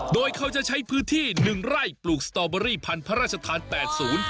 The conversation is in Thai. โดยเขาจะใช้พืชที่๑ไร่ปลูกสตอบเบอรี่พันธ์พระราชฌาติภาษา๘๐